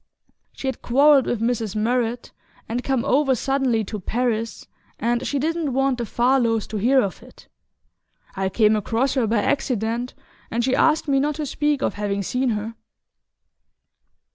"She had quarrelled with Mrs. Murrett and come over suddenly to Paris, and she didn't want the Farlows to hear of it. I came across her by accident, and she asked me not to speak of having seen her."